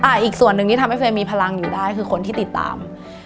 อีกส่วนหนึ่งที่ทำให้เฟย์มีพลังอยู่ได้คือคนที่ติดตาม